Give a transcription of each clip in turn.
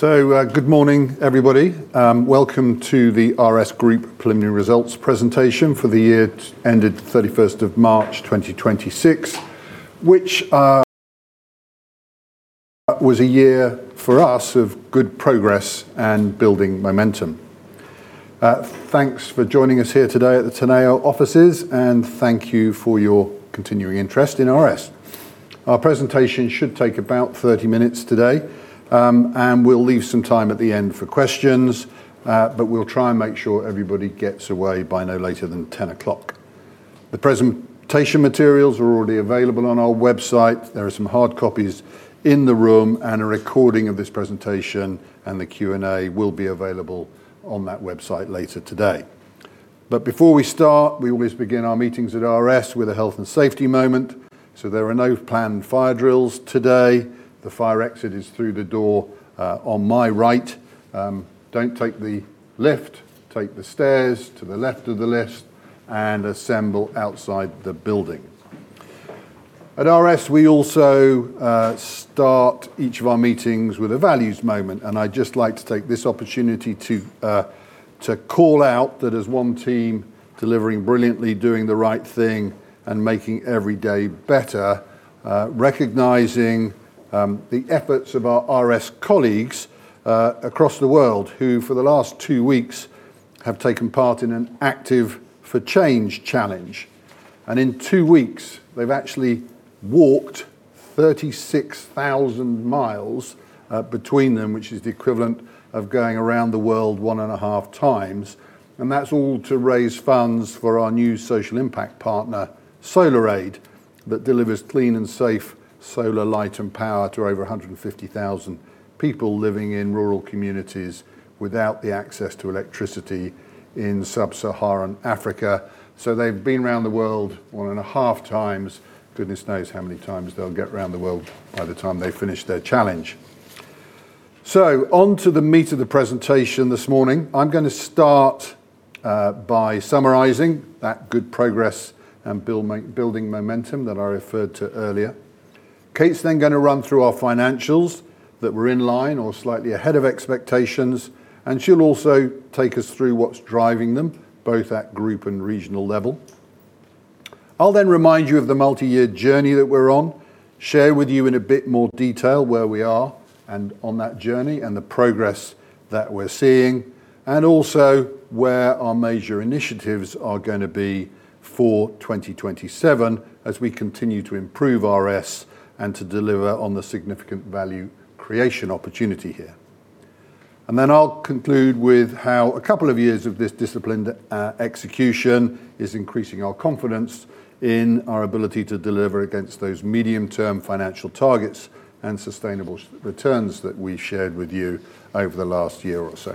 Good morning, everybody. Welcome to the RS Group preliminary results presentation for the year ended 31st of March, 2026, which was a year for us of good progress and building momentum. Thanks for joining us here today at the Teneo offices, and thank you for your continuing interest in RS. Our presentation should take about 30 minutes today, and we'll leave some time at the end for questions, but we'll try and make sure everybody gets away by no later than 10:00 A.M. The presentation materials are already available on our website. There are some hard copies in the room, and a recording of this presentation and the Q&A will be available on that website later today. Before we start, we always begin our meetings at RS with a health and safety moment. There are no planned fire drills today. The fire exit is through the door on my right. Don't take the lift, take the stairs to the left of the lift and assemble outside the building. At RS Group, we also start each of our meetings with a values moment, and I'd just like to take this opportunity to call out that as one team delivering brilliantly, doing the right thing, and making every day better. Recognizing the efforts of our RS colleagues across the world who for the last two weeks have taken part in an Active for Change challenge. In two weeks, they've actually walked 36,000 mi between them, which is the equivalent of going around the world one and a half times. That's all to raise funds for our new social impact partner, SolarAid, that delivers clean and safe solar light and power to over 150,000 people living in rural communities without the access to electricity in sub-Saharan Africa. They've been around the world one and a half times. Goodness knows how many times they'll get around the world by the time they finish their challenge. On to the meat of the presentation this morning. I'm going to start by summarizing that good progress and building momentum that I referred to earlier. Kate's then going to run through our financials that were in line or slightly ahead of expectations. She'll also take us through what's driving them, both at group and regional level. I'll then remind you of the multi-year journey that we're on. Share with you in a bit more detail where we are on that journey and the progress that we are seeing, also where our major initiatives are going to be for 2027 as we continue to improve RS and to deliver on the significant value creation opportunity here. Then I'll conclude with how a couple of years of this disciplined execution is increasing our confidence in our ability to deliver against those medium-term financial targets and sustainable returns that we shared with you over the last year or so.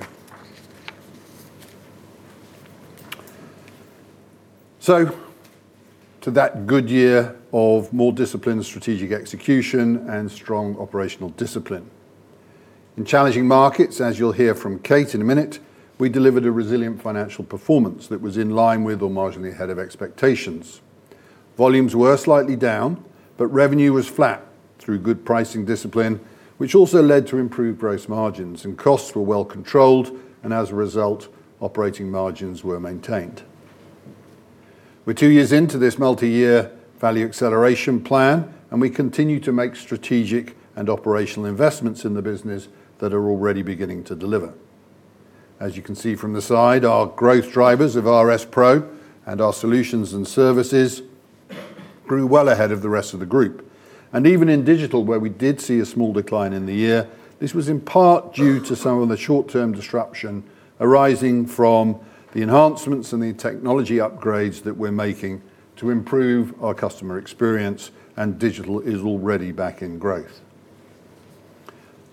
To that good year of more disciplined strategic execution and strong operational discipline. In challenging markets, as you'll hear from Kate in a minute, we delivered a resilient financial performance that was in line with or marginally ahead of expectations. Volumes were slightly down, but revenue was flat through good pricing discipline, which also led to improved gross margins, and costs were well controlled, and as a result, operating margins were maintained. We're two years into this multi-year value acceleration plan, and we continue to make strategic and operational investments in the business that are already beginning to deliver. As you can see from the slide, our growth drivers of RS PRO and our solutions and services grew well ahead of the rest of the group. Even in digital, where we did see a small decline in the year, this was in part due to some of the short-term disruption arising from the enhancements and the technology upgrades that we're making to improve our customer experience, and digital is already back in growth.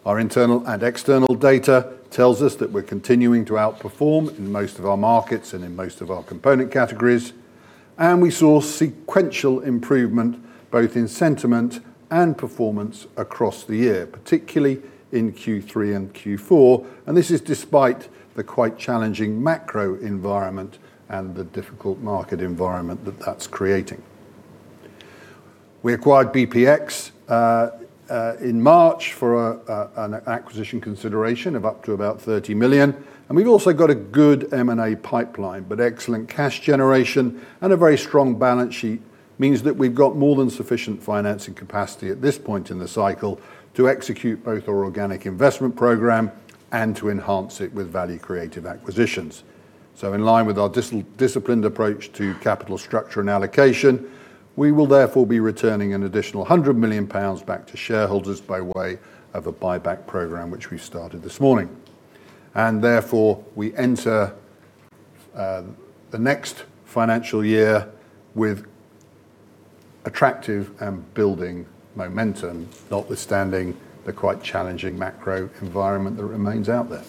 Our internal and external data tells us that we're continuing to outperform in most of our markets and in most of our component categories. We saw sequential improvement both in sentiment and performance across the year, particularly in Q3 and Q4. This is despite the quite challenging macro environment and the difficult market environment that's creating. We acquired BPX in March for an acquisition consideration of up to about 30 million. We've also got a good M&A pipeline, but excellent cash generation and a very strong balance sheet means that we've got more than sufficient financing capacity at this point in the cycle to execute both our organic investment program and to enhance it with value-creative acquisitions. In line with our disciplined approach to capital structure and allocation, we will therefore be returning an additional 100 million pounds back to shareholders by way of a buyback program, which we started this morning. Therefore, we enter the next financial year with attractive and building momentum, notwithstanding the quite challenging macro environment that remains out there.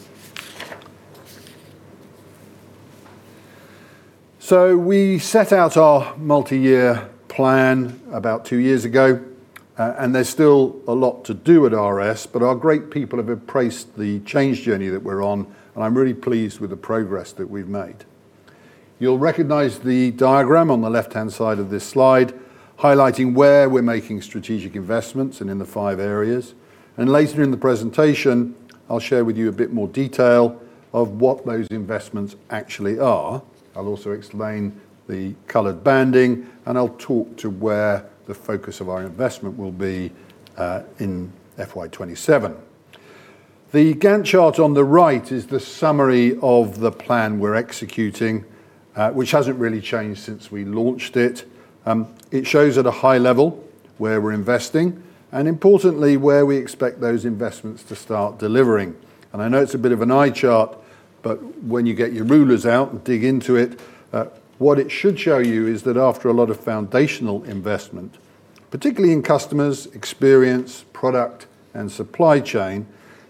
We set out our multi-year plan about two years ago. There's still a lot to do at RS, but our great people have embraced the change journey that we're on, and I'm really pleased with the progress that we've made. You'll recognize the diagram on the left-hand side of this slide highlighting where we're making strategic investments and in the five areas. Later in the presentation, I'll share with you a bit more detail of what those investments actually are. I'll also explain the colored banding. I'll talk to where the focus of our investment will be in FY 2027. The Gantt chart on the right is the summary of the plan we're executing, which hasn't really changed since we launched it. It shows at a high level where we're investing and importantly where we expect those investments to start delivering. I know it's a bit of an eye chart. When you get your rulers out and dig into it, what it should show you is that after a lot of foundational investment, particularly in customers, experience, product, and supply chain,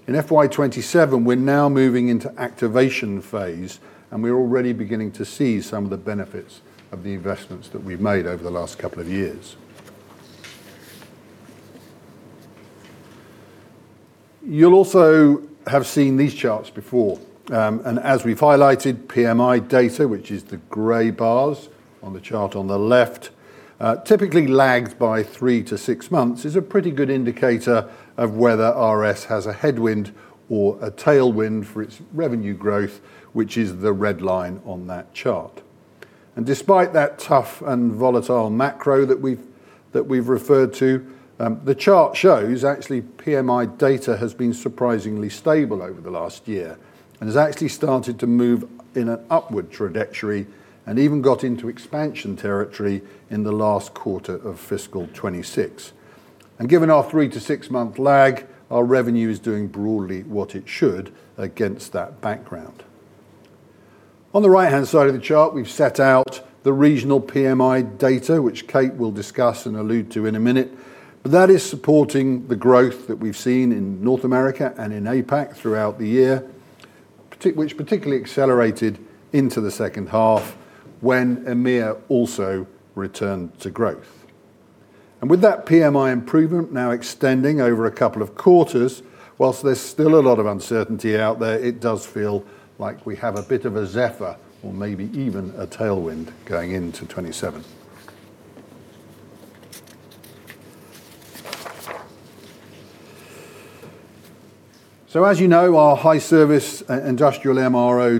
in FY 2027, we're now moving into activation phase. We're already beginning to see some of the benefits of the investments that we've made over the last couple of years. You'll also have seen these charts before, and as we've highlighted, PMI data, which is the gray bars on the chart on the left, typically lags by three to six months, is a pretty good indicator of whether RS has a headwind or a tailwind for its revenue growth, which is the red line on that chart. Despite that tough and volatile macro that we've referred to, the chart shows actually PMI data has been surprisingly stable over the last year and has actually started to move in an upward trajectory and even got into expansion territory in the last quarter of fiscal 2026. Given our three to six month lag, our revenue is doing broadly what it should against that background. On the right-hand side of the chart, we've set out the regional PMI data, which Kate will discuss and allude to in a minute. That is supporting the growth that we've seen in North America and in APAC throughout the year, which particularly accelerated into the second half when EMEA also returned to growth. With that PMI improvement now extending over a couple of quarters, whilst there's still a lot of uncertainty out there, it does feel like we have a bit of a zephyr or maybe even a tailwind going into 2027. As you know, our high-service industrial MRO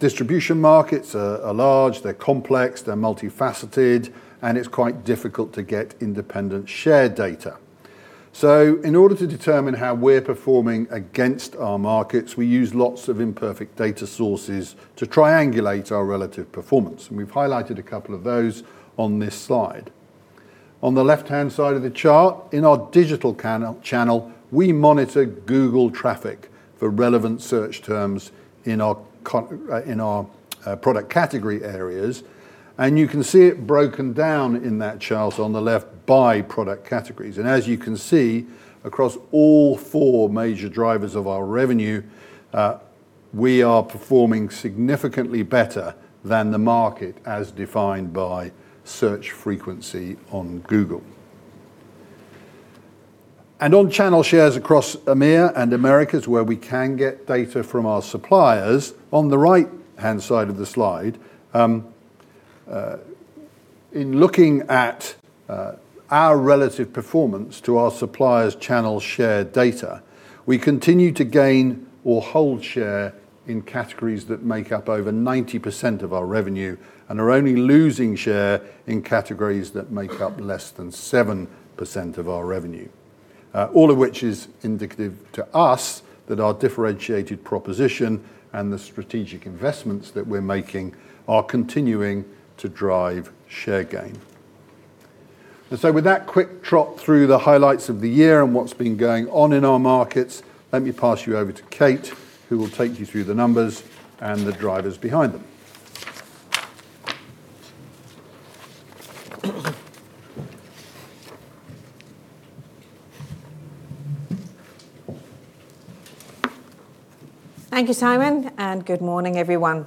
distribution markets are large, they're complex, they're multifaceted, and it's quite difficult to get independent share data. In order to determine how we're performing against our markets, we use lots of imperfect data sources to triangulate our relative performance. We've highlighted a couple of those on this slide. On the left-hand side of the chart, in our digital channel, we monitor Google traffic for relevant search terms in our product category areas. You can see it broken down in that chart on the left by product categories. As you can see, across all four major drivers of our revenue, we are performing significantly better than the market as defined by search frequency on Google. On channel shares across EMEA and Americas, where we can get data from our suppliers, on the right-hand side of the slide, in looking at our relative performance to our suppliers' channel share data, we continue to gain or hold share in categories that make up over 90% of our revenue and are only losing share in categories that make up less than 7% of our revenue. All of which is indicative to us that our differentiated proposition and the strategic investments that we're making are continuing to drive share gain. With that quick trot through the highlights of the year and what's been going on in our markets, let me pass you over to Kate, who will take you through the numbers and the drivers behind them. Thank you, Simon, good morning, everyone.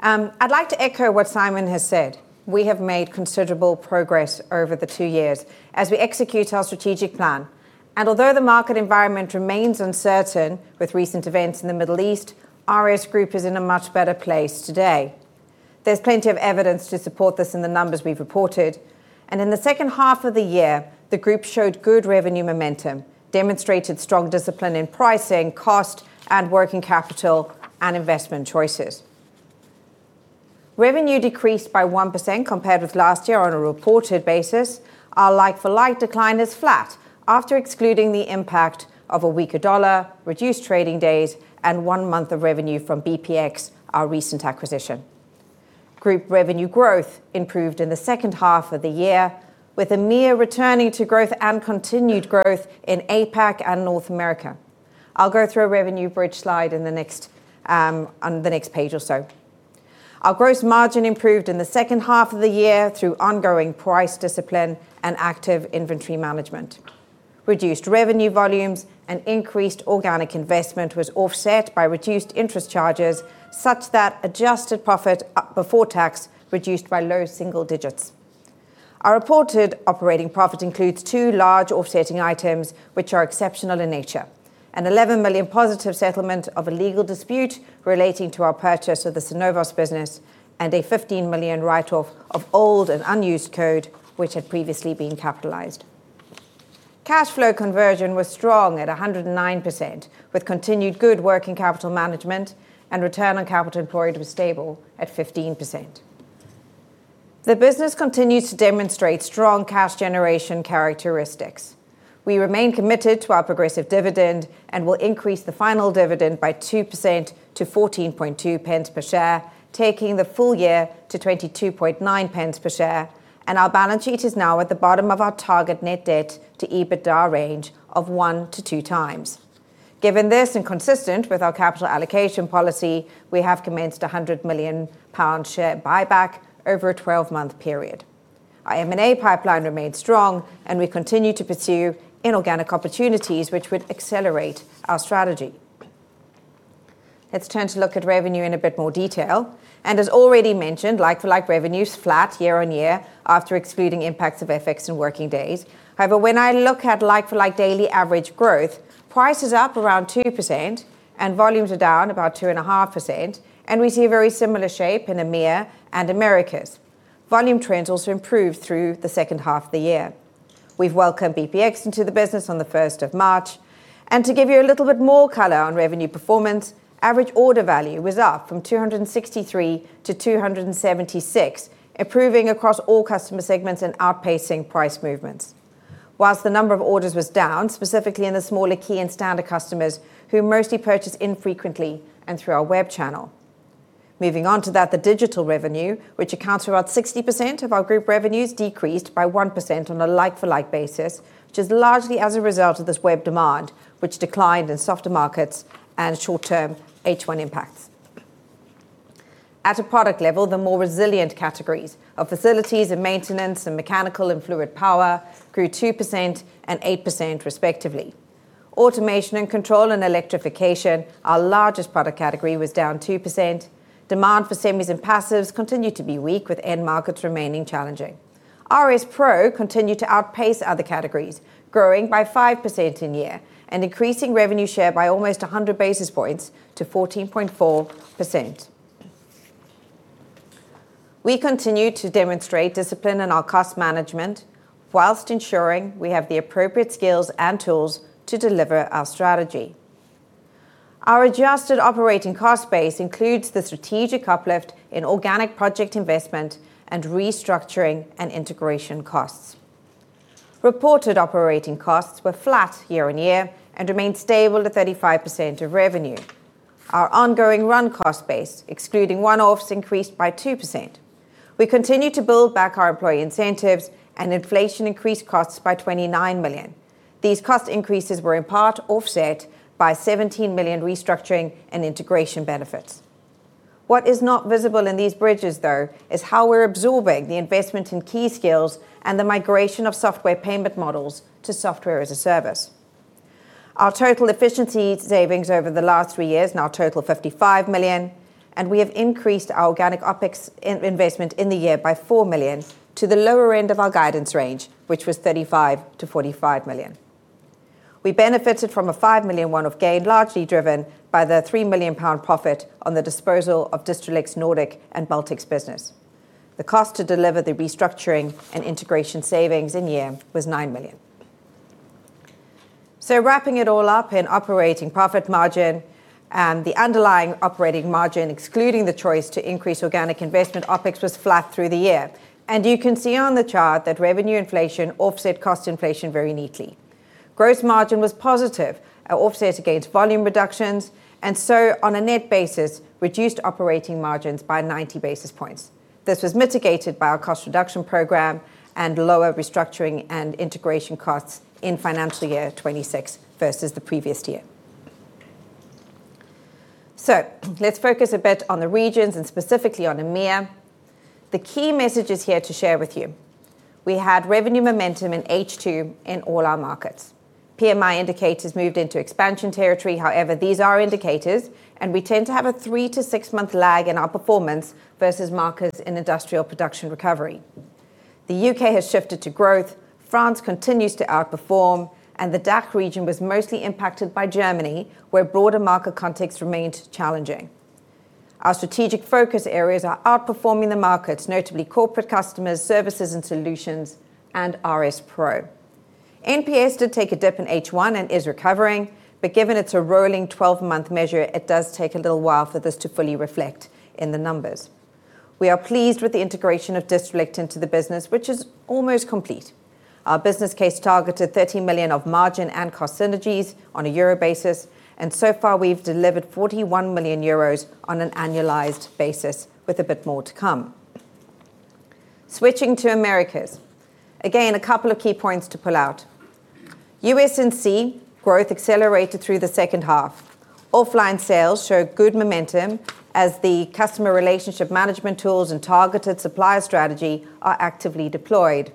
I'd like to echo what Simon has said. We have made considerable progress over the two years as we execute our strategic plan. Although the market environment remains uncertain with recent events in the Middle East, RS Group is in a much better place today. There's plenty of evidence to support this in the numbers we've reported. In the second half of the year, the group showed good revenue momentum, demonstrated strong discipline in pricing, cost, and working capital, and investment choices. Revenue decreased by 1% compared with last year on a reported basis. Our like-for-like decline is flat after excluding the impact of a weaker dollar, reduced trading days, and one month of revenue from BPX, our recent acquisition. Group revenue growth improved in the second half of the year, with EMEA returning to growth and continued growth in APAC and North America. I'll go through a revenue bridge slide on the next page or so. Our gross margin improved in the second half of the year through ongoing price discipline and active inventory management. Reduced revenue volumes and increased organic investment was offset by reduced interest charges such that adjusted profit before tax reduced by low single digits. Our reported operating profit includes two large offsetting items, which are exceptional in nature. A 11 million positive settlement of a legal dispute relating to our purchase of the Synovos business and a 15 million write-off of old and unused code which had previously been capitalized. Cash flow conversion was strong at 109% with continued good working capital management and return on capital employed was stable at 15%. The business continues to demonstrate strong cash generation characteristics. We remain committed to our progressive dividend and will increase the final dividend by 2% to 0.142 per share, taking the full year to 0.229 per share. Our balance sheet is now at the bottom of our target net debt to EBITDA range of 1x-2x. Given this, and consistent with our capital allocation policy, we have commenced a 100 million pound share buyback over a 12-month period. Our M&A pipeline remains strong, and we continue to pursue inorganic opportunities which would accelerate our strategy. Let's turn to look at revenue in a bit more detail. As already mentioned, like-for-like revenue is flat year-on-year after excluding impacts of FX and working days. However, when I look at like-for-like daily average growth, price is up around 2% and volumes are down about 2.5%, and we see a very similar shape in EMEA and Americas. Volume trends also improved through the second half of the year. We've welcomed BPX into the business on the 1st of March. To give you a little bit more color on revenue performance, average order value was up from 263 million to 276 million, improving across all customer segments and outpacing price movements. Whilst the number of orders was down, specifically in the smaller key and standard customers who mostly purchase infrequently, and through our web channel. Moving on to that, the digital revenue, which accounts for about 60% of our group revenues, decreased by 1% on a like-for-like basis, which is largely as a result of this web demand, which declined in softer markets and short-term H1 impacts. At a product level, the more resilient categories of facilities and maintenance and mechanical and fluid power grew 2% and 8% respectively. Automation and Control and Electrification, our largest product category, was down 2%. Demand for semis and passives continued to be weak with end markets remaining challenging. RS PRO continued to outpace other categories, growing by 5% year-on-year and increasing revenue share by almost 100 basis points to 14.4%. We continue to demonstrate discipline in our cost management while ensuring we have the appropriate skills and tools to deliver our strategy. Our adjusted operating cost base includes the strategic uplift in organic project investment and restructuring and integration costs. Reported operating costs were flat year-on-year and remained stable at 35% of revenue. Our ongoing run cost base, excluding one-offs, increased by 2%. We continue to build back our employee incentives, and inflation increased costs by 29 million. These cost increases were in part offset by 17 million restructuring and integration benefits. What is not visible in these bridges, though, is how we're absorbing the investment in key skills and the migration of software payment models to Software as a Service. Our total efficiency savings over the last three years now total 55 million. We have increased our organic OpEx investment in the year by 4 million to the lower end of our guidance range, which was 35 million-45 million. We benefited from a 5 million one-off gain, largely driven by the 3 million pound profit on the disposal of Distrelec Nordic and Baltics business. The cost to deliver the restructuring and integration savings in the year was 9 million. Wrapping it all up in operating profit margin, the underlying operating margin, excluding the choice to increase organic investment, OpEx was flat through the year. You can see on the chart that revenue inflation offset cost inflation very neatly. Gross margin was positive, offset against volume reductions, on a net basis, reduced operating margins by 90 basis points. This was mitigated by our cost reduction program and lower restructuring and integration costs in financial year 2026 versus the previous year. Let's focus a bit on the regions and specifically on EMEA. The key messages here to share with you. We had revenue momentum in H2 in all our markets. PMI indicators moved into expansion territory. However, these are indicators and we tend to have a three to six month lag in our performance versus markers in industrial production recovery. The U.K. has shifted to growth, France continues to outperform, and the DACH region was mostly impacted by Germany, where broader market context remained challenging. Our strategic focus areas are outperforming the markets, notably corporate customers, services and solutions, and RS PRO. NPS did take a dip in H1 and is recovering, but given it's a rolling 12-month measure, it does take a little while for this to fully reflect in the numbers. We are pleased with the integration of Distrelec into the business, which is almost complete. Our business case targeted 30 million of margin and cost synergies on a euro basis. So far we've delivered 41 million euros on an annualized basis, with a bit more to come. Switching to Americas. Again, a couple of key points to pull out. U.S. and Southeast Asia growth accelerated through the second half. Offline sales show good momentum as the customer relationship management tools and targeted supplier strategy are actively deployed.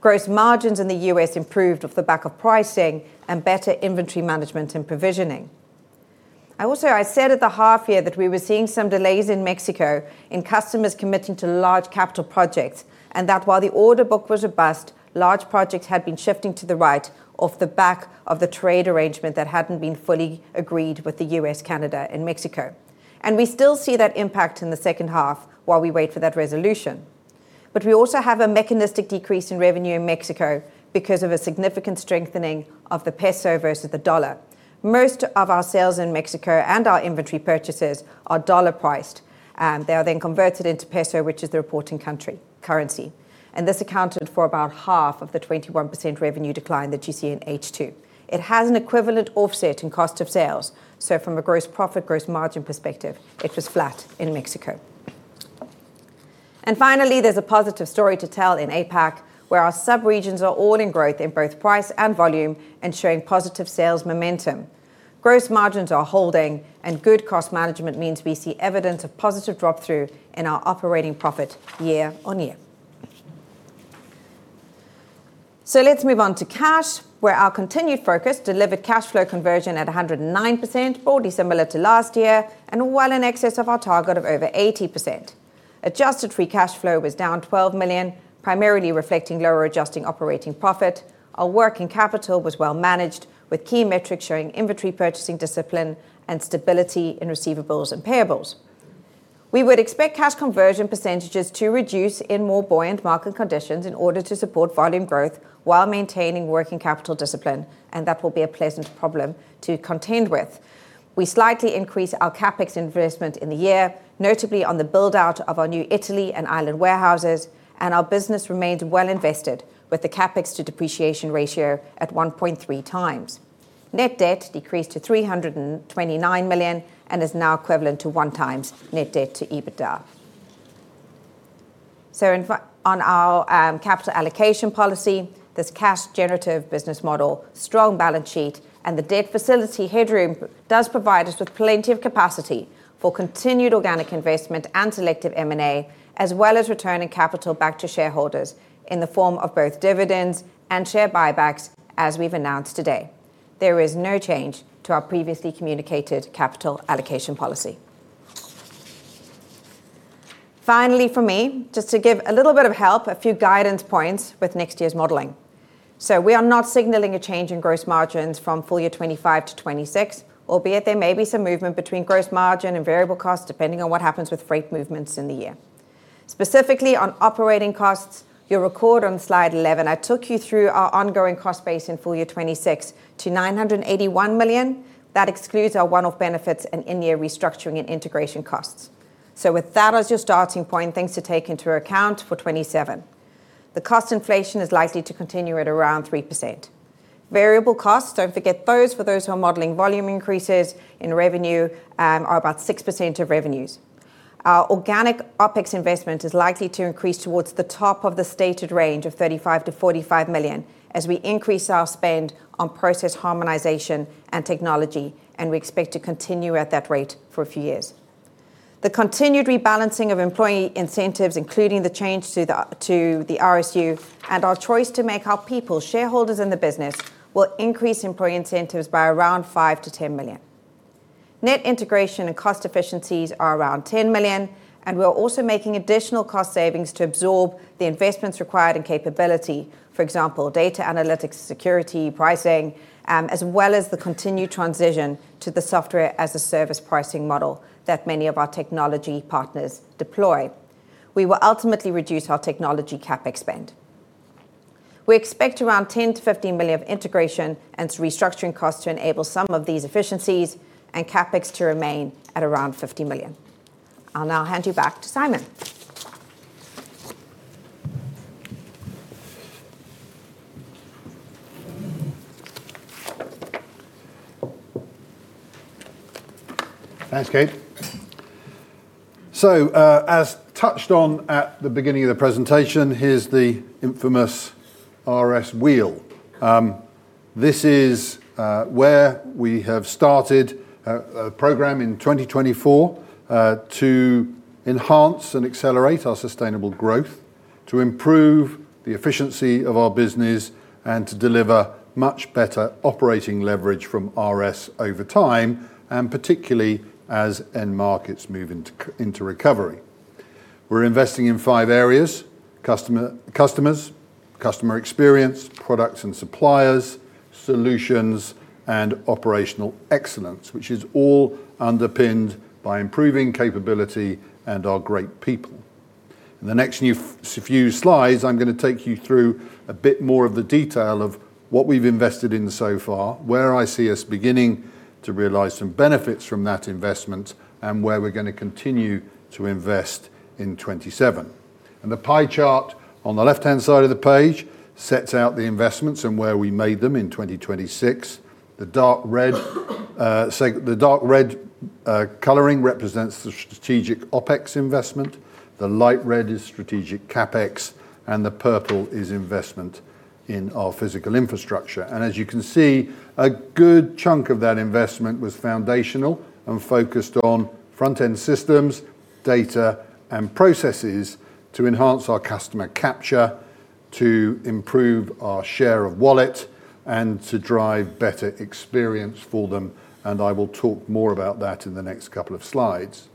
Gross margins in the U.S. improved off the back of pricing and better inventory management and provisioning. I also said at the half year that we were seeing some delays in Mexico in customers committing to large capital projects, and that while the order book was robust, large projects had been shifting to the right, off the back of the trade arrangement that hadn't been fully agreed with the U.S., Canada, and Mexico. We still see that impact in the second half while we wait for that resolution. We also have a mechanistic decrease in revenue in Mexico because of a significant strengthening of the peso versus the dollar. Most of our sales in Mexico and our inventory purchases are dollar-priced. They are then converted into peso, which is the reporting country currency. This accounted for about half of the 21% revenue decline that you see in H2. It has an equivalent offset in cost of sales, so from a gross profit gross margin perspective, it was flat in Mexico. Finally, there's a positive story to tell in APAC, where our subregions are all in growth in both price and volume and showing positive sales momentum. Gross margins are holding, and good cost management means we see evidence of positive drop-through in our operating profit year-on-year. Let's move on to cash, where our continued focus delivered cash flow conversion at 109%, broadly similar to last year and well in excess of our target of over 80%. Adjusted free cash flow was down 12 million, primarily reflecting lower adjusting operating profit. Our working capital was well managed, with key metrics showing inventory purchasing discipline and stability in receivables and payables. We would expect cash conversion percentages to reduce in more buoyant market conditions in order to support volume growth while maintaining working capital discipline, and that will be a pleasant problem to contend with. We slightly increase our CapEx investment in the year, notably on the build-out of our new Italy and Ireland warehouses, and our business remains well invested with the CapEx to depreciation ratio at 1.3x. Net debt decreased to 329 million and is now equivalent to 1x net debt-to-EBITDA. On our capital allocation policy, this cash-generative business model, strong balance sheet, and the debt facility headroom does provide us with plenty of capacity for continued organic investment and selective M&A, as well as returning capital back to shareholders in the form of both dividends and share buybacks, as we've announced today. There is no change to our previously communicated capital allocation policy. For me, just to give a little bit of help, a few guidance points with next year's modeling. We are not signaling a change in gross margins from full year 2025 to 2026, albeit there may be some movement between gross margin and variable costs depending on what happens with freight movements in the year. Specifically on operating costs, you'll record on slide 11, I took you through our ongoing cost base in full year 2026 to 981 million. That excludes our one-off benefits and in-year restructuring and integration costs. With that as your starting point, things to take into account for 2027. The cost inflation is likely to continue at around 3%. Variable costs, don't forget those for those who are modeling volume increases in revenue are about 6% of revenues. Our organic OpEx investment is likely to increase towards the top of the stated range of 35 million-45 million as we increase our spend on process harmonization and technology, and we expect to continue at that rate for a few years. The continued rebalancing of employee incentives, including the change to the RS Group and our choice to make our people shareholders in the business, will increase employee incentives by around 5million-10 million. Net integration and cost efficiencies are around 10 million, and we're also making additional cost savings to absorb the investments required in capability. For example, data analytics, security, pricing, as well as the continued transition to the Software as a Service pricing model that many of our technology partners deploy. We will ultimately reduce our technology CapEx spend. We expect around 10 million-15 million of integration and restructuring costs to enable some of these efficiencies, and CapEx to remain at around 50 million. I'll now hand you back to Simon. Thanks, Kate. As touched on at the beginning of the presentation, here's the infamous RS wheel. This is where we have started a program in 2024 to enhance and accelerate our sustainable growth, to improve the efficiency of our business, and to deliver much better operating leverage from RS over time, and particularly as end markets move into recovery. We're investing in five areas: customer, customers, customer experience, products and suppliers, solutions, and operational excellence, which is all underpinned by improving capability and our great people. In the next few slides, I'm going to take you through a bit more of the detail of what we've invested in so far, where I see us beginning to realize some benefits from that investment, and where we're going to continue to invest in 2027. The pie chart on the left-hand side of the page sets out the investments and where we made them in 2026. The dark red coloring represents the strategic OpEx investment. The light red is strategic CapEx, and the purple is investment in our physical infrastructure. As you can see, a good chunk of that investment was foundational and focused on front-end systems, data, and processes to enhance our customer capture, to improve our share of wallet, and to drive better experience for them. I will talk more about that in the next couple of slides.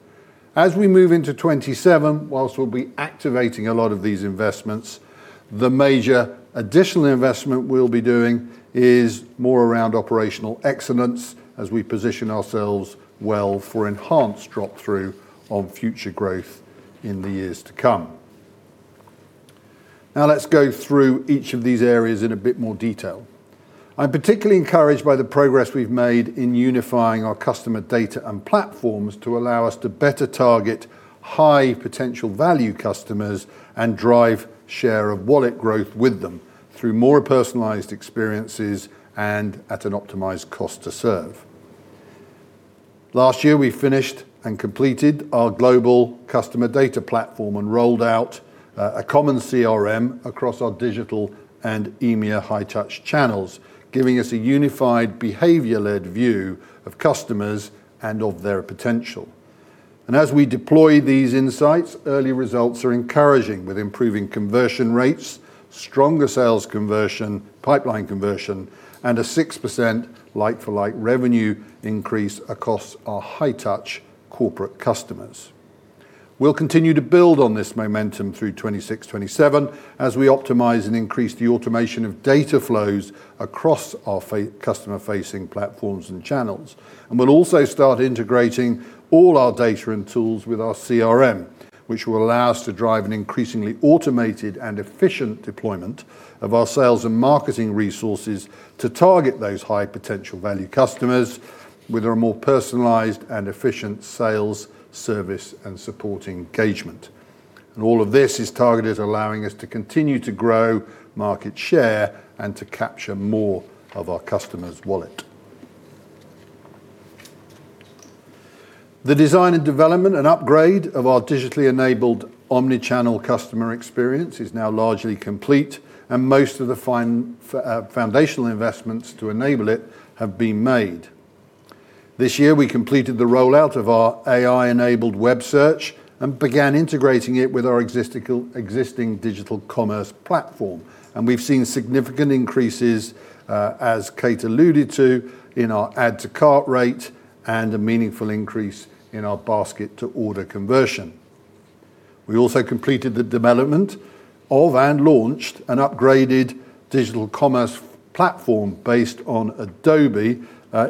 As we move into 2027, whilst we'll be activating a lot of these investments, the major additional investment we'll be doing is more around operational excellence as we position ourselves well for enhanced drop-through on future growth in the years to come. Now let's go through each of these areas in a bit more detail. I'm particularly encouraged by the progress we've made in unifying our customer data and platforms to allow us to better target high potential value customers and drive share of wallet growth with them through more personalized experiences and at an optimized cost to serve. Last year, we finished and completed our global customer data platform and rolled out a common CRM across our digital and EMEA high-touch channels, giving us a unified behavior-led view of customers and of their potential. As we deploy these insights, early results are encouraging with improving conversion rates, stronger sales conversion, pipeline conversion, and a 6% like-for-like revenue increase across our high-touch corporate customers. We'll continue to build on this momentum through 2026-2027 as we optimize and increase the automation of data flows across our customer-facing platforms and channels. We'll also start integrating all our data and tools with our CRM, which will allow us to drive an increasingly automated and efficient deployment of our sales and marketing resources to target those high potential value customers with a more personalized and efficient sales, service, and support engagement. All of this is targeted at allowing us to continue to grow market share and to capture more of our customers' wallet. The design and development and upgrade of our digitally enabled omnichannel customer experience is now largely complete, and most of the foundational investments to enable it have been made. This year, we completed the rollout of our AI-enabled web search, and began integrating it with our existing digital commerce platform. We've seen significant increases, as Kate alluded to, in our add-to-cart rate and a meaningful increase in our basket-to-order conversion. We also completed the development of and launched an upgraded digital commerce platform based on Adobe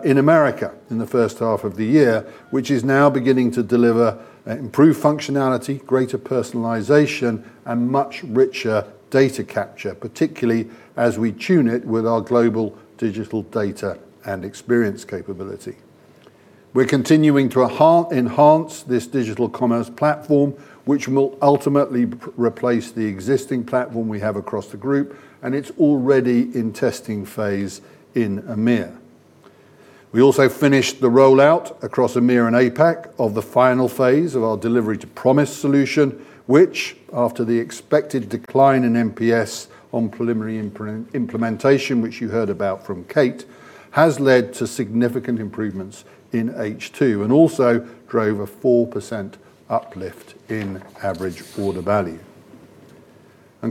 in America. In the first half of the year, which is now beginning to deliver improved functionality, greater personalization, and much richer data capture, particularly as we tune it with our global digital data and experience capability. We're continuing to enhance this digital commerce platform, which will ultimately replace the existing platform we have across the group, and it's already in testing phase in EMEA. We also finished the rollout across EMEA and APAC of the final phase of our delivery-to-promise solution, which after the expected decline in MPS on preliminary implementation, which you heard about from Kate, has led to significant improvements in H2 and also drove a 4% uplift in average order value.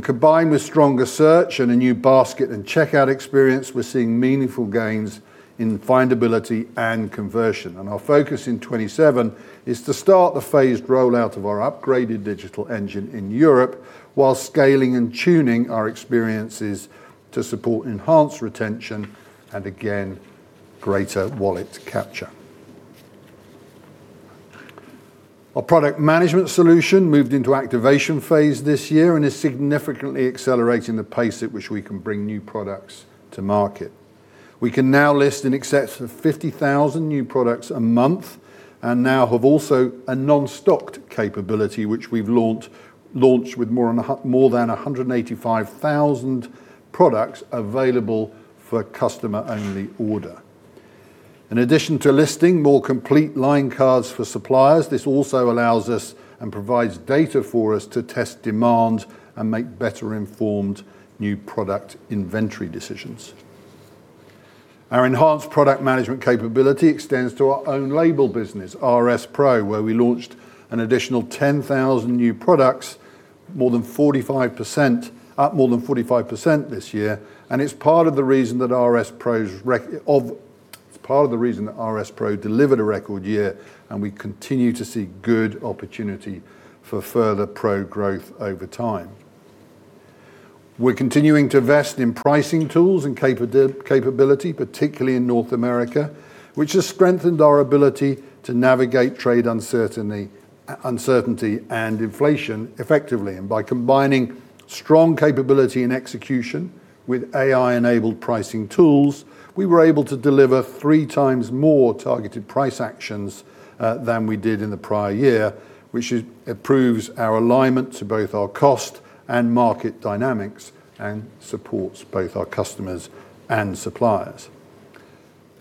Combined with stronger search and a new basket and checkout experience, we're seeing meaningful gains in findability and conversion. Our focus in 2027 is to start the phased rollout of our upgraded digital engine in Europe while scaling and tuning our experiences to support enhanced retention and again, greater wallet capture. Our product management solution moved into activation phase this year and is significantly accelerating the pace at which we can bring new products to market. We can now list in excess of 50,000 new products a month and now have also a non-stocked capability which we've launched with more than 185,000 products available for customer-only order. In addition to listing more complete line cards for suppliers, this also allows us and provides data for us to test demand and make better informed new product inventory decisions. Our enhanced product management capability extends to our own label business, RS PRO, where we launched an additional 10,000 new products, more than 45%, up more than 45% this year. It's part of the reason that RS PRO delivered a record year, and we continue to see good opportunity for further PRO growth over time. We're continuing to invest in pricing tools and capability, particularly in North America, which has strengthened our ability to navigate trade uncertainty and inflation effectively. By combining strong capability in execution with AI-enabled pricing tools, we were able to deliver three times more targeted price actions than we did in the prior year, approves our alignment to both our cost and market dynamics and supports both our customers and suppliers.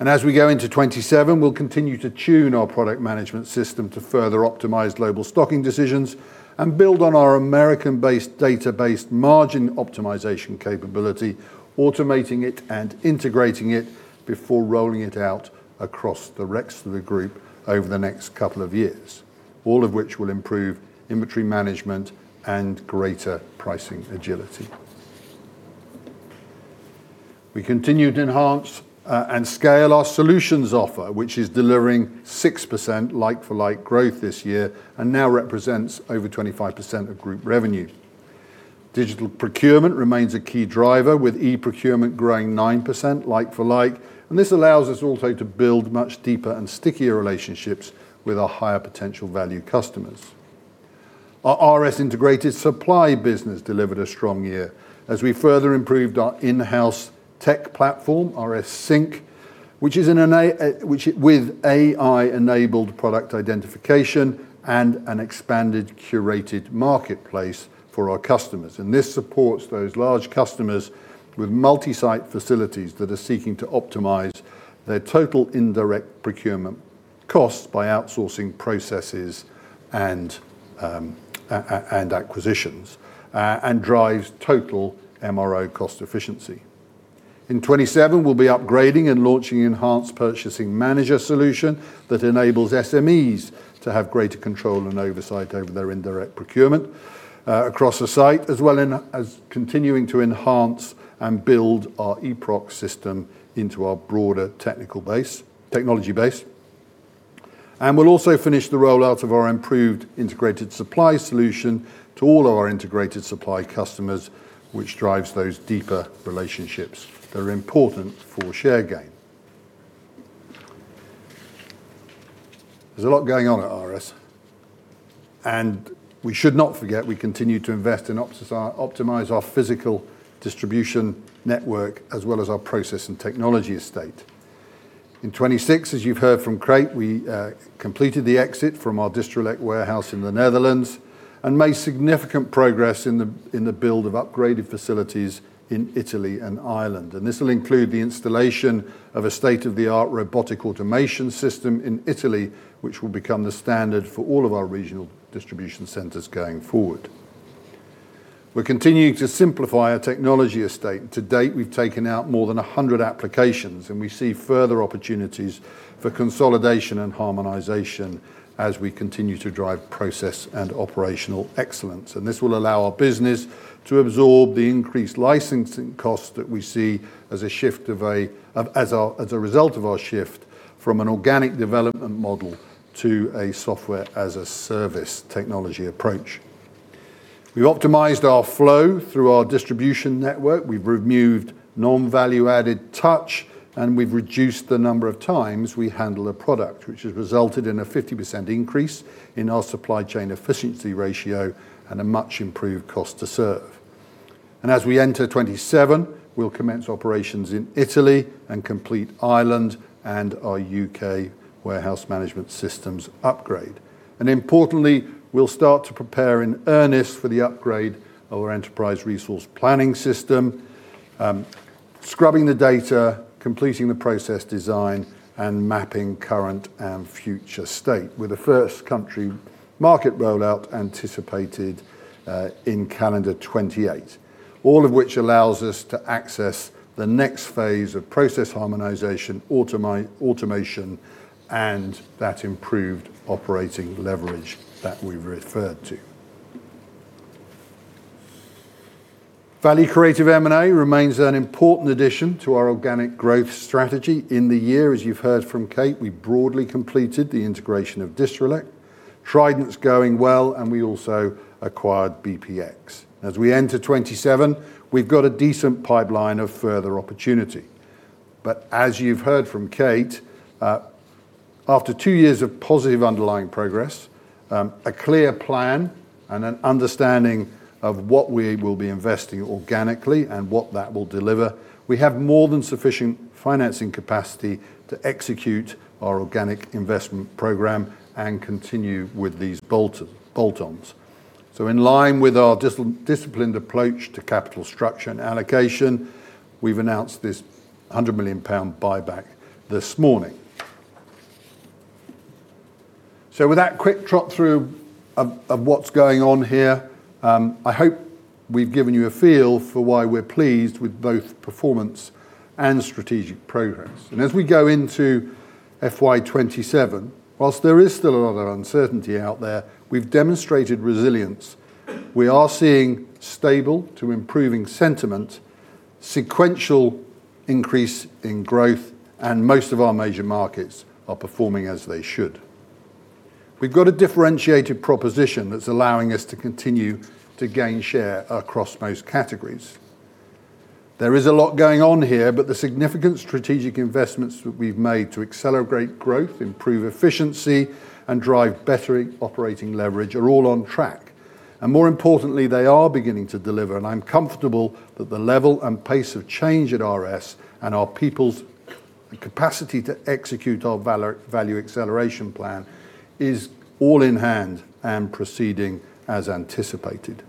As we go into 2027, we'll continue to tune our product management system to further optimize global stocking decisions and build on our American-based, data-based margin optimization capability, automating it and integrating it before rolling it out across the rest of the group over the next couple of years. All of which will improve inventory management and greater pricing agility. We continue to enhance and scale our solutions offer, which is delivering 6% like-for-like growth this year and now represents over 25% of group revenue. Digital procurement remains a key driver, with e-procurement growing 9% like-for-like. This allows us also to build much deeper and stickier relationships with our higher potential value customers. Our RS Integrated Supply business delivered a strong year as we further improved our in-house tech platform, RS SYNC, which is with AI-enabled product identification and an expanded curated marketplace for our customers. This supports those large customers with multi-site facilities that are seeking to optimize their total indirect procurement costs by outsourcing processes and acquisitions. Drives total MRO cost efficiency. In 2027, we will be upgrading and launching enhanced purchasing manager solution that enables SMEs to have greater control and oversight over their indirect procurement across the site, as well as continuing to enhance and build our eProc system into our broader technical base, technology base. We will also finish the rollout of our improved integrated supply solution to all our integrated supply customers, which drives those deeper relationships that are important for share gain. There is a lot going on at RS, and we should not forget we continue to invest in optimize our physical distribution network as well as our process and technology estate. In 2026, as you've heard from Kate, we completed the exit from our Distrelec warehouse in the Netherlands and made significant progress in the build of upgraded facilities in Italy and Ireland. This will include the installation of a state-of-the-art robotic automation system in Italy, which will become the standard for all of our regional distribution centers going forward. We're continuing to simplify our technology estate. To date, we've taken out more than 100 applications and we see further opportunities for consolidation and harmonization as we continue to drive process and operational excellence. This will allow our business to absorb the increased licensing costs that we see as a result of our shift from an organic development model to a Software as a Service technology approach. We've optimized our flow through our distribution network. We've removed non-value-added touch, and we've reduced the number of times we handle a product, which has resulted in a 50% increase in our supply chain efficiency ratio and a much improved cost to serve. As we enter 2027, we'll commence operations in Italy and complete Ireland and our U.K. warehouse management systems upgrade. Importantly, we'll start to prepare in earnest for the upgrade of our enterprise resource planning system, scrubbing the data, completing the process design, and mapping current and future state, with the first country market rollout anticipated in calendar 2028. All of which allows us to access the next phase of process harmonization, automation, and that improved operating leverage that we've referred to. Value creative M&A remains an important addition to our organic growth strategy. In the year, as you've heard from Kate, we broadly completed the integration of Distrelec. Trident's going well, and we also acquired BPX. As we enter 2027, we've got a decent pipeline of further opportunity. As you've heard from Kate, after two years of positive underlying progress, a clear plan, and an understanding of what we will be investing organically and what that will deliver, we have more than sufficient financing capacity to execute our organic investment program and continue with these bolt-ons. In line with our disciplined approach to capital structure and allocation. We've announced this 100 million pound buyback this morning. With that quick trot through of what's going on here, I hope we've given you a feel for why we're pleased with both performance and strategic progress. As we go into FY 2027, while there is still a lot of uncertainty out there, we've demonstrated resilience. We are seeing stable to improving sentiment, sequential increase in growth, and most of our major markets are performing as they should. We've got a differentiated proposition that's allowing us to continue to gain share across most categories. There is a lot going on here, but the significant strategic investments that we've made to accelerate growth, improve efficiency, and drive better operating leverage are all on track. More importantly, they are beginning to deliver. I'm comfortable that the level and pace of change at RS and our people's capacity to execute our value acceleration plan is all in hand and proceeding as anticipated.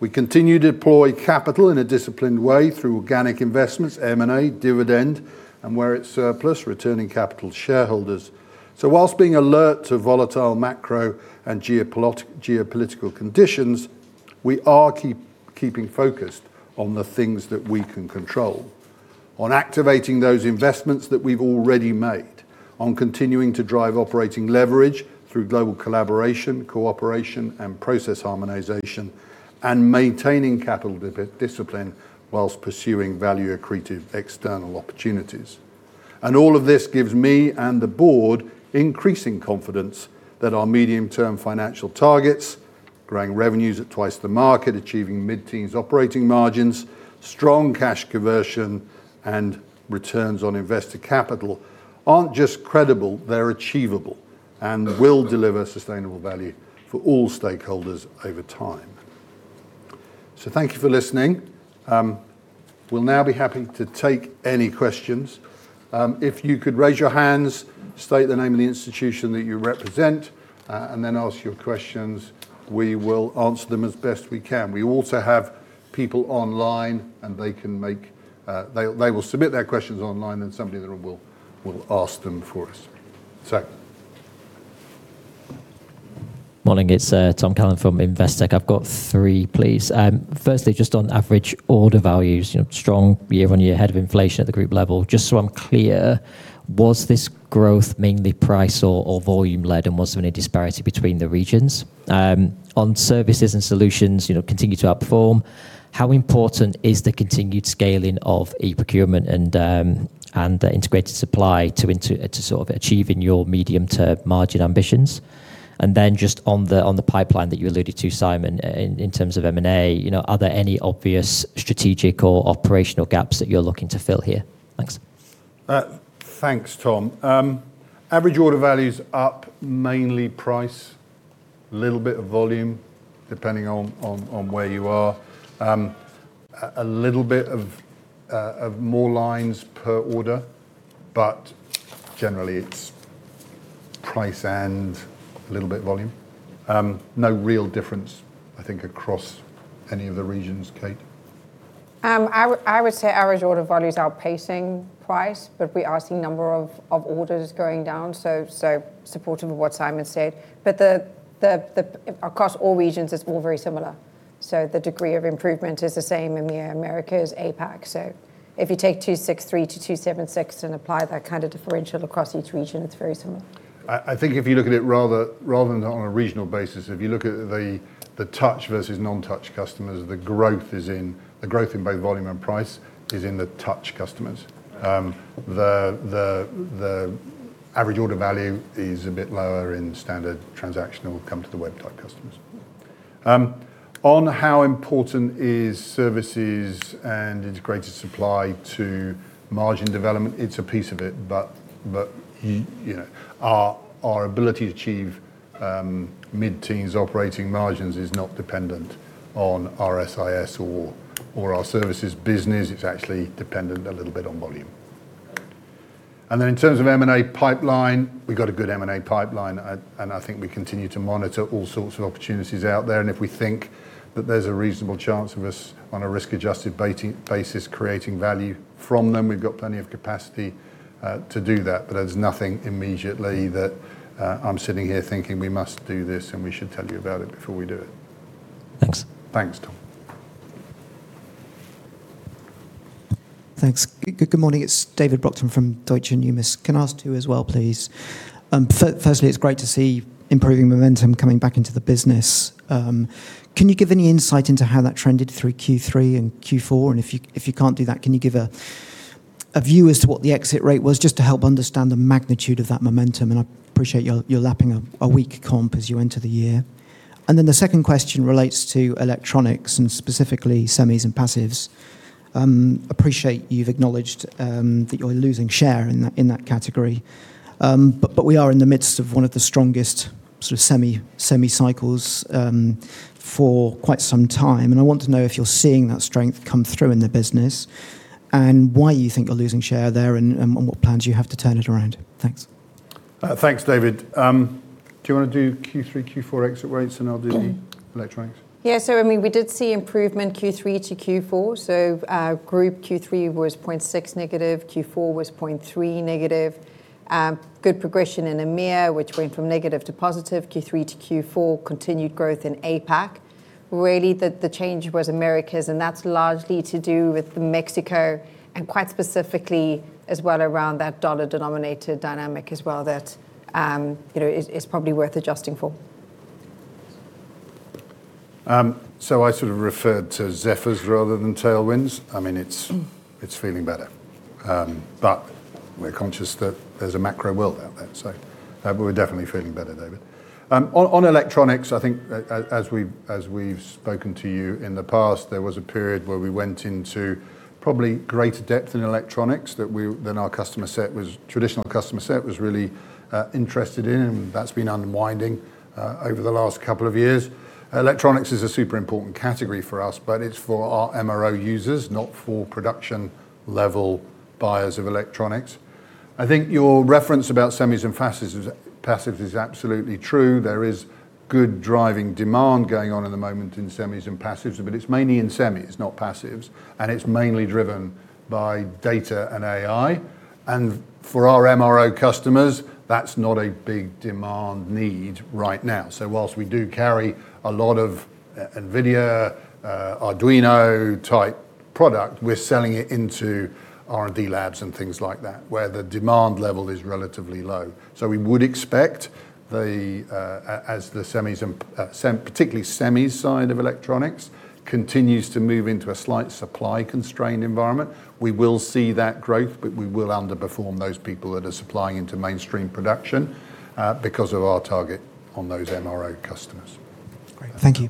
We continue to deploy capital in a disciplined way through organic investments, M&A, dividend, and where it's surplus, returning capital to shareholders. Whilst being alert to volatile macro and geopolitical conditions, we are keeping focused on the things that we can control, on activating those investments that we've already made, on continuing to drive operating leverage through global collaboration, cooperation, and process harmonization, and maintaining capital discipline whilst pursuing value-accretive external opportunities. All of this gives me and the board increasing confidence that our medium-term financial targets, growing revenues at twice the market, achieving mid-teens operating margins, strong cash conversion, and returns on invested capital, aren't just credible, they're achievable and will deliver sustainable value. For all stakeholders over time. Thank you for listening. We'll now be happy to take any questions. If you could raise your hands, state the name of the institution that you represent, and then ask your questions, we will answer them as best we can. We also have people online, and they will submit their questions online, and somebody in the room will ask them. For us. Morning, it's Tom Callan from Investec. I've got three, please. Firstly, just on average order values, you know, strong year-over-year ahead of inflation at the group level. Just so I'm clear, was this growth mainly price or volume-led, and was there any disparity between the regions? On services and solutions, you know, continue to outperform. How important is the continued scaling of eProcurement and Integrated Supply to sort of achieving your medium-term margin ambitions? Then just on the pipeline that you alluded to, Simon, in terms of M&A, you know, are there any obvious strategic or operational gaps that you're looking to fill here? Thanks. Thanks, Tom. Average order values up, mainly price, little bit of volume depending on where you are, a little bit of more lines per order, but generally it's price and a little bit volume. No real difference, I think, across any of the regions. Kate? I would say average order value is outpacing price, but we are seeing number of orders going down. Supportive of what Simon said. Across all regions, it's all very similar. The degree of improvement is the same in the North America is APAC. If you take 263 million to 276 million and apply that kind of differential across each region, it's very similar. I think if you look at it rather than on a regional basis, if you look at the touch versus non-touch customers, the growth in both volume and price is in the touch customers. The average order value is a bit lower in standard transactional come-to-the-web type customers. On how important is services and integrated supply to margin development, it's a piece of it. Our ability to achieve mid-teens operating margins is not dependent on RS PRO or our services business. It's actually dependent a little bit on volume. Then in terms of M&A pipeline, we've got a good M&A pipeline, and I think we continue to monitor all sorts of opportunities out there. If we think that there's a reasonable chance of us, on a risk-adjusted basis, creating value from them, we've got plenty of capacity to do that. There's nothing immediately that I'm sitting here thinking we must do this and we should tell you about it before we do it. Thanks. Thanks, Tom. Good morning. It's David Brockton from Deutsche Numis. Can I ask two as well, please? It's great to see improving momentum coming back into the business. Can you give any insight into how that trended through Q3 and Q4? If you can't do that, can you give a view as to what the exit rate was, just to help understand the magnitude of that momentum? I appreciate you're lapping a weak comp as you enter the year. The second question relates to electronics. Specifically semis and passives. Appreciate you've acknowledged that you're losing share in that category, but we are in the midst of one of the strongest sort of semi cycles for quite some time, and I want to know if you're seeing that strength come through in the business and why you think you're losing share there and what plans you have to turn it around. Thanks. Thanks, David. Do you want to do Q3, Q4 exit rates, and I'll do the electronics? I mean, we did see improvement Q3 to Q4. Group Q3 was -0.6%, Q4 was -0.3%. Good progression in EMEA, which went from negative to positive Q3 to Q4. Continued growth in APAC. The change was Americas, and that's largely to do with Mexico, and quite specifically as well around that dollar-denominated dynamic as well that, you know, is probably worth adjusting for. I sort of referred to zephyrs rather than tailwinds. I mean, it's feeling better, but we're conscious that there's a macro world out there. We're definitely feeling better, David. On electronics, I think as we've spoken to you in the past, there was a period where we went into probably greater depth in electronics than our traditional customer set was really interested in. That's been unwinding over the last couple of years. Electronics is a super important category for us, but it's for our MRO users, not for production-level buyers of electronics. I think your reference about semis and passives is absolutely true. There is good driving demand going on in the moment in semis and passives, but it's mainly in semis, not passives, and it's mainly driven by data and AI. For our MRO customers, that's not a big demand need right now. Whilst we do carry a lot of NVIDIA, Arduino type product, we're selling it into R&D labs and things like that where the demand level is relatively low. We would expect as the semis, particularly semis side of electronics, continues to move into a slight supply constrained environment, we will see that growth, but we will underperform those people that are supplying into mainstream production because of our target on those MRO customers. Great. Thank you.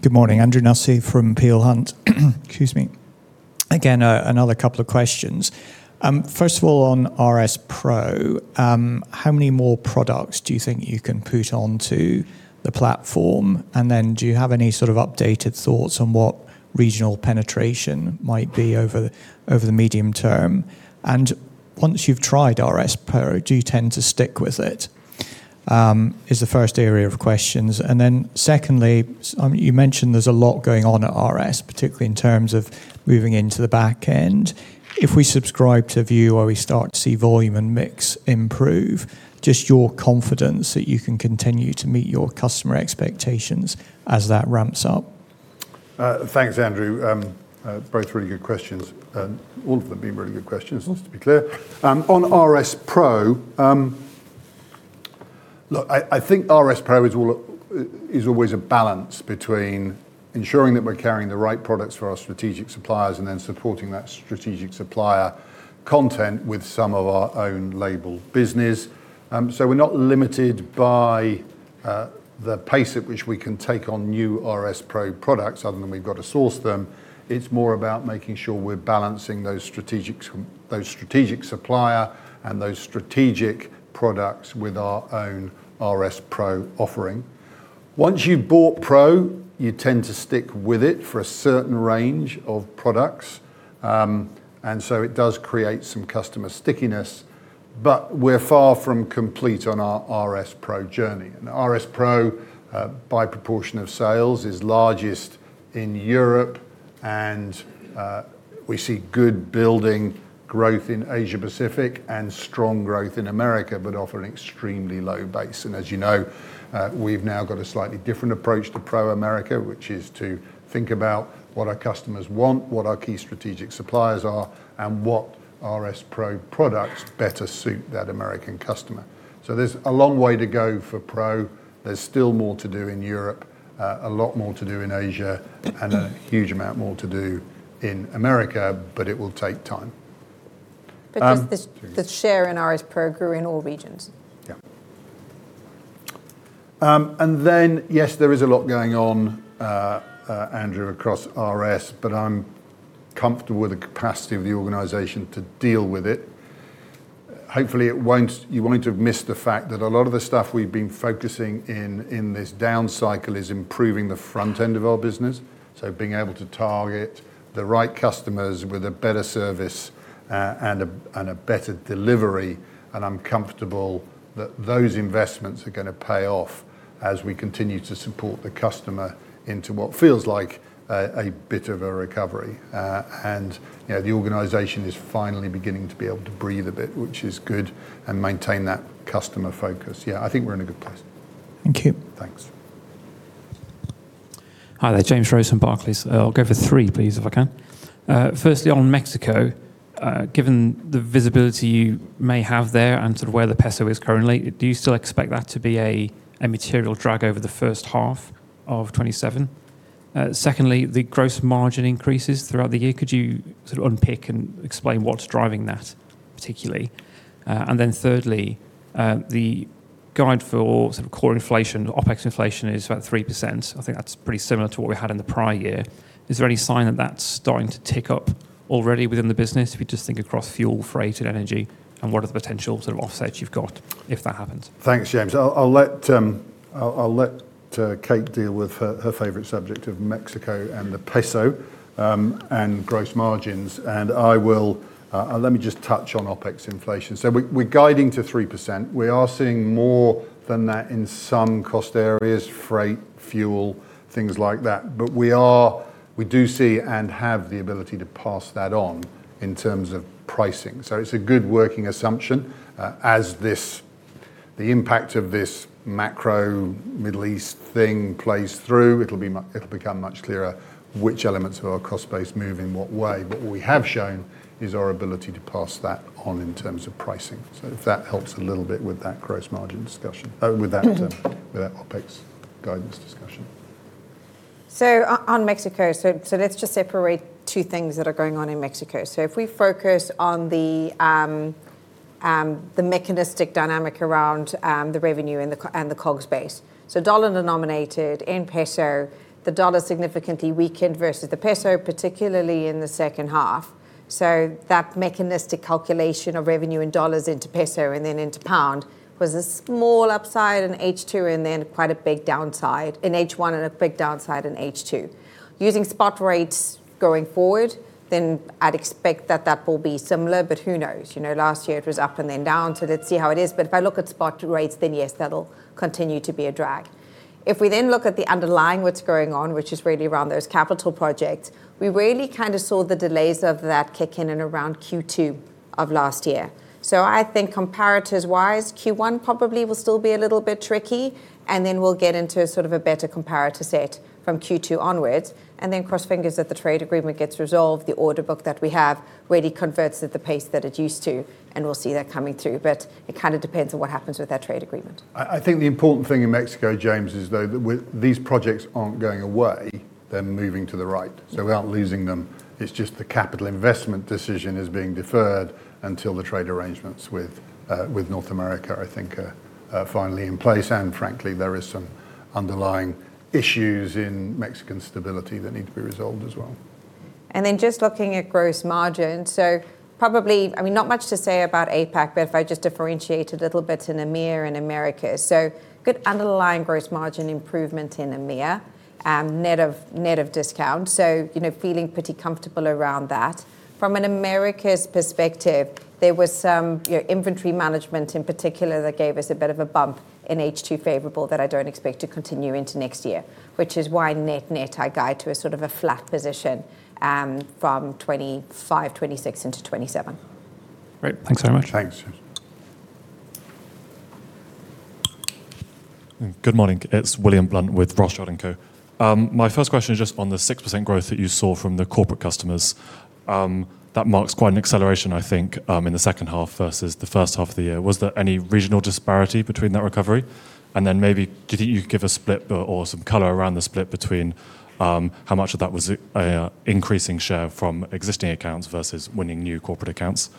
Good morning. Andrew Nussey from Peel Hunt. Excuse me. Again, another couple of questions. First of all, on RS PRO, how many more products do you think you can put onto the platform? Do you have any sort of updated thoughts on what regional penetration might be over the medium term? Once you've tried RS PRO, do you tend to stick with it? Is the first area of questions. Secondly, you mentioned there's a lot going on at RS, particularly in terms of moving into the backend. If we subscribe to a view where we start to see volume and mix improve, just your confidence that you can continue to meet your customer expectations as that ramps-up. Thanks, Andrew. Both really good questions. All of them being really good questions, just to be clear. On RS PRO, Look, I think RS PRO is always a balance between ensuring that we're carrying the right products for our strategic suppliers and then supporting that strategic supplier content with some of our own label business. We're not limited by the pace at which we can take on new RS PRO products, other than we've got to source them. It's more about making sure we're balancing those strategic supplier and those strategic products with our own RS PRO offering. Once you've bought PRO, you tend to stick with it for a certain range of products, and so it does create some customer stickiness. We're far from complete on our RS PRO journey. RS PRO, by proportion of sales, is largest in Europe, and we see good building growth in Asia Pacific, and strong growth in America, but off an extremely low base. As you know, we've now got a slightly different approach to PRO America, which is to think about what our customers want, what our key strategic suppliers are, and what RS PRO products better suit that American customer. There's a long way to go for PRO. There's still more to do in Europe, a lot more to do in Asia, and a huge amount more to do in America. It will take time. The share in RS PRO grew in all regions. Yes, there is a lot going on, Andrew, across RS. I'm comfortable with the capacity of the organization to deal with it. Hopefully, you won't have missed the fact that a lot of the stuff we've been focusing in this down cycle is improving the front end of our business. Being able to target the right customers with a better service and a better delivery. I'm comfortable that those investments are going to pay off as we continue to support the customer into what feels like a bit of a recovery, and the organization is finally beginning to be able to breathe a bit, which is good, and maintain that customer focus. I think we're in a good place. Thank you. Thanks. Hi there, James Rose from Barclays. I'll go for three, please, if I can. Firstly, on Mexico, given the visibility you may have there and sort of where the peso is currently, do you still expect that to be a material drag over the first half of 2027? Secondly, the gross margin increases throughout the year, could you sort of unpick and explain what's driving that particularly? Thirdly, the guide for sort of core inflation, OpEx inflation, is about 3%. I think that's pretty similar to what we had in the prior year. Is there any sign that that's starting to tick up already within the business? If you just think across fuel, freight, and energy, what are the potential sort of offsets you've got if that happens? Thanks, James. I will let Kate deal with her favorite subject of Mexico and the peso and gross margins. I will let me just touch on OpEx inflation. We are guiding to 3%. We are seeing more than that in some cost areas, freight, fuel, things like that. We do see and have the ability to pass that on. In terms of pricing. It is a good working assumption. As the impact of this macro Middle East thing plays through, it will become much clearer which elements of our cost base move in what way. What we have shown is our ability to pass that on in terms of pricing. If that helps a little bit with that gross margin discussion, with that OpEx guidance discussion. On Mexico, let's just separate two things that are going on in Mexico. If we focus on the mechanistic dynamic around the revenue and the COGS base, dollar-denominated in peso, the dollar significantly weakened versus the peso, particularly in the second half. That mechanistic calculation of revenue in dollars into peso and then into pound was a small upside in H2 and then quite a big downside in H1 and a big downside in H2. Using spot rates going forward, I'd expect that that will be similar. Who knows? You know, last year it was up and then down. Let's see how it is. If I look at spot rates, yes, that'll continue to be a drag. If we then look at the underlying what's going on, which is really around those capital projects, we really kind of saw the delays of that kick in and around Q2 of last year. I think comparatives-wise, Q1 probably will still be a little bit tricky, and then we'll get into sort of a better comparator set from Q2 onwards. Cross fingers that the trade agreement gets resolved, the order book that we have really converts at the pace that it used to, and we'll see that coming through. It kind of depends on what happens with that trade agreement. I think the important thing in Mexico, James, is though, these projects aren't going away, they're moving to the right. We aren't losing them, it's just the capital investment decision is being deferred until the trade arrangements with North America, I think, are finally in place. Frankly, there is some underlying issues in Mexican stability that need to be resolved as well. Just looking at gross margin, probably, I mean, not much to say about APAC, but if I just differentiate a little bit in EMEA and Americas, good underlying gross margin improvement in EMEA, net of discount. You know, feeling pretty comfortable around that. From an Americas perspective, there was some inventory management in particular that gave us a bit of a bump in H2 favorable that I don't expect to continue into next year, which is why net-net I guide to a sort of a flat position from 2025, 2026 into 2027. Great. Thanks very much. Thanks. Good morning, it's William Blunt with Rothschild & Co. My first question is just on the 6% growth that you saw from the corporate customers. That marks quite an acceleration, I think, in the second half versus the first half of the year. Was there any regional disparity between that recovery? Maybe do you think you could give a split or some color around the split between how much of that was increasing share from existing accounts versus winning new corporate accounts?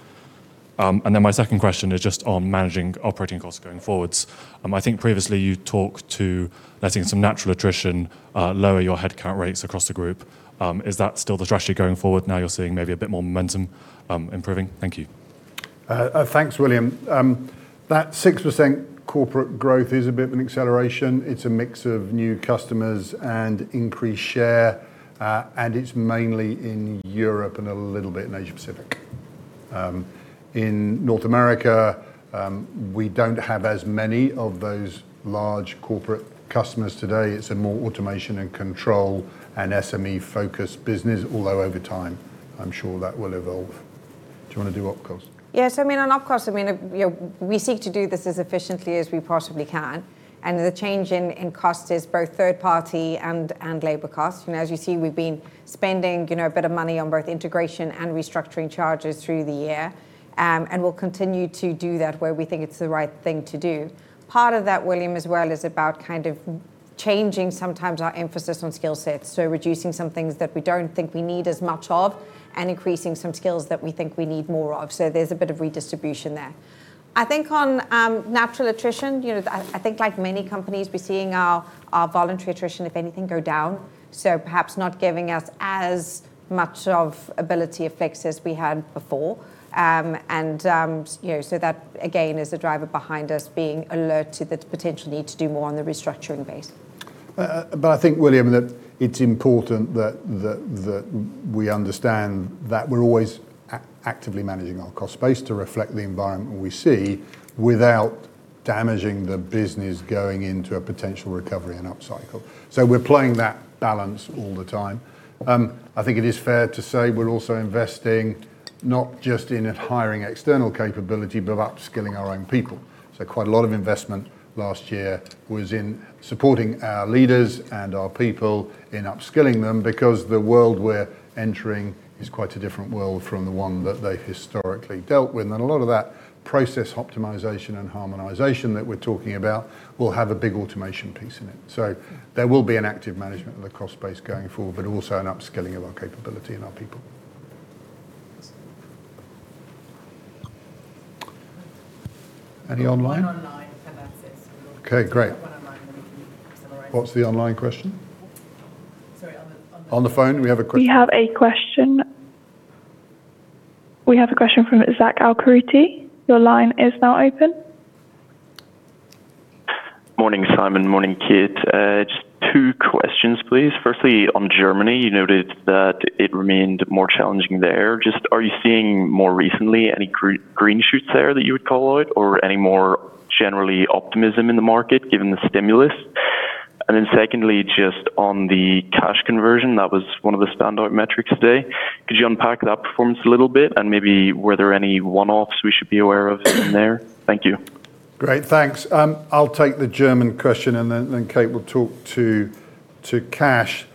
My second question is just on managing operating costs going forwards. I think previously you talked to letting some natural attrition lower your headcount rates across the group. Is that still the strategy going forward now you're seeing maybe a bit more momentum improving? Thank you. Thanks, William. That 6% corporate growth is a bit of an acceleration. It's a mix of new customers and increased share. It's mainly in Europe and a little bit in Asia Pacific. In North America, we don't have as many of those large corporate customers today. It's a more automation and control and SME-focused business, although over time, I'm sure that will evolve. Do you want to do op costs? Yes, I mean, on op costs, I mean, we seek to do this as efficiently as we possibly can. The change in cost is both third-party and labor costs. As you see, we've been spending, you know, a bit of money on both integration and restructuring charges through the year, and we'll continue to do that where we think it's the right thing to do. Part of that, William, as well, is about kind of changing sometimes our emphasis on skill sets, so reducing some things that we don't think we need as much of and increasing some skills that we think we need more of. There's a bit of redistribution there. I think on natural attrition, you know, I think like many companies we're seeing our voluntary attrition, if anything, go down. Perhaps not giving us as much of ability of flex as we had before. You know, that again is the driver behind us being alert to the potential need to do more on the restructuring base. I think, William, that it's important that we understand that we're always actively managing our cost base to reflect the environment we see without damaging the business going into a potential recovery and upcycle. We're playing that balance all the time. I think it is fair to say we're also investing not just in hiring external capability, but upskilling our own people. Quite a lot of investment last year was in supporting our leaders and our people in upskilling them, because the world we're entering is quite a different world from the one that they've historically dealt with. A lot of that process optimization and harmonization that we're talking about will have a big automation piece in it. There will be an active management of the cost base going forward, but also an upskilling of our capability and our people. Any online? Okay, great. What's the online question? On the phone, We have We have a question from [Zack Al-Khaledi]. Your line is now open. Morning, Simon. Morning, Kate. Just two questions, please. Firstly, on Germany, you noted that it remained more challenging there. Just are you seeing more recently any green shoots there that you would call out, or any more generally optimism in the market given the stimulus? Secondly, just on the cash conversion, that was one of the standout metrics today. Could you unpack that performance a little bit? Maybe were there any one-offs we should be aware of in there? Thank you. Great, thanks. I'll take the German question, and then Kate will talk to cash.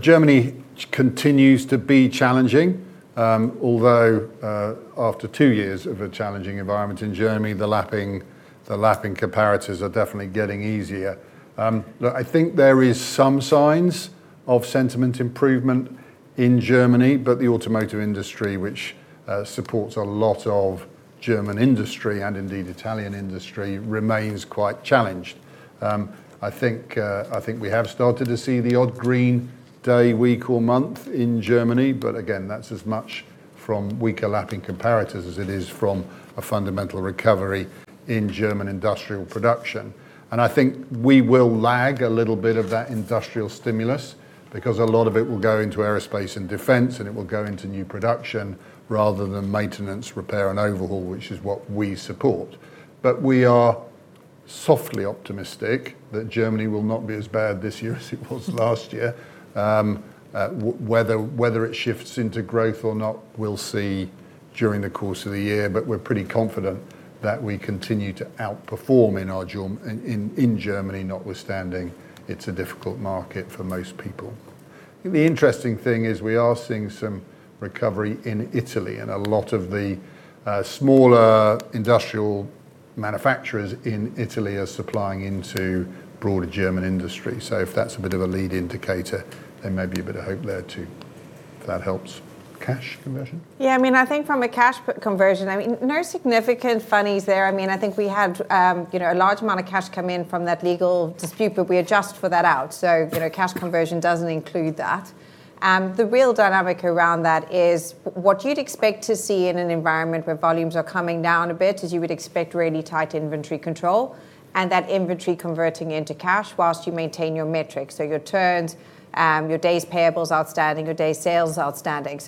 Germany continues to be challenging. Although after two years of a challenging environment in Germany, the lapping comparatives are definitely getting easier. I think there is some signs of sentiment improvement in Germany, but the automotive industry, which supports a lot of German industry and, indeed, Italian industry, remains quite challenged. I think we have started to see the odd green day, week, or month in Germany. Again, that's as much from weaker lapping comparators as it is from a fundamental recovery in German industrial production. I think we will lag a little bit of that industrial stimulus because a lot of it will go into aerospace and defense. It will go into new production rather than maintenance, repair, and overhaul, which is what we support. We are softly optimistic that Germany will not be as bad this year as it was last year. Whether it shifts into growth or not, we'll see during the course of the year, but we're pretty confident that we continue to outperform in our— in Germany, notwithstanding it's a difficult market for most people. The interesting thing is we are seeing some recovery in Italy. A lot of the smaller industrial manufacturers in Italy are supplying into broader German industry. If that's a bit of a lead indicator, there may be a bit of hope there too. If that helps. Cash conversion? I think from a cash conversion, no significant funnies there. I think we had a large amount of cash come in from that legal dispute, but we adjust for that out. Cash conversion doesn't include that. The real dynamic around that is what you'd expect to see in an environment where volumes are coming down a bit, as you would expect really tight inventory control and that inventory converting into cash while you maintain your metrics. Your turns, your days payables outstanding, your days sales outstanding.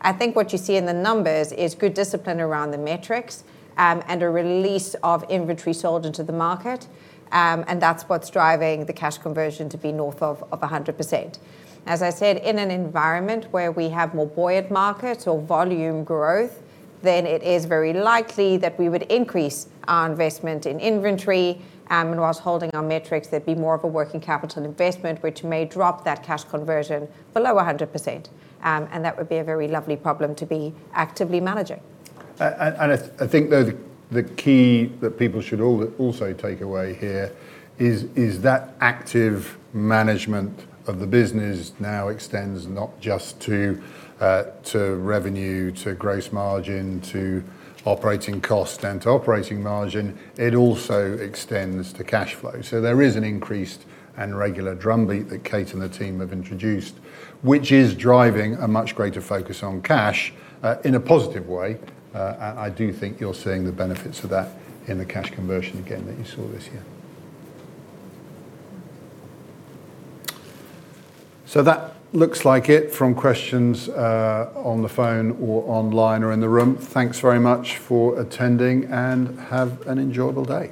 I think what you see in the numbers is good discipline around the metrics and a release of inventory sold into the market. That's what's driving the cash conversion to be north of 100%. As I said, in an environment where we have more buoyant markets or volume growth, then it is very likely that we would increase our investment in inventory, and whilst holding our metrics, there'd be more of a working capital investment, which may drop that cash conversion below 100%. That would be a very lovely problem to be actively managing. I think though the key that people should also take away here is that active management of the business now extends not just to revenue, to gross margin, to operating cost, and to operating margin. It also extends to cash flow. There is an increased and regular drumbeat that Kate and the team have introduced, which is driving a much greater focus on cash in a positive way. I do think you're seeing the benefits of that in the cash conversion again that you saw this year. That looks like it from questions on the phone or online or in the room. Thanks very much for attending and have an enjoyable day.